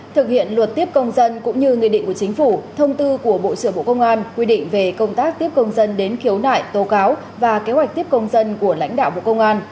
thực hiện luật tiếp công dân cũng như nghị định của chính phủ thông tư của bộ trưởng bộ công an quy định về công tác tiếp công dân đến khiếu nại tố cáo và kế hoạch tiếp công dân của lãnh đạo bộ công an